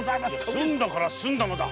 済んだから済んだのだ。